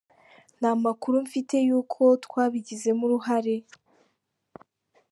Nta makuru mfite y’uko twabigizemo uruhare.